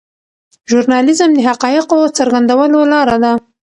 ژورنالیزم د حقایقو څرګندولو لاره ده.